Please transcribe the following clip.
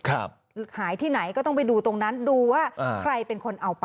หายที่ไหนก็ต้องไปดูตรงนั้นดูว่าใครเป็นคนเอาไป